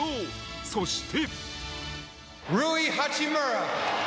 そして。